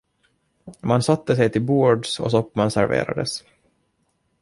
Man satte sig till bords och soppan serverades.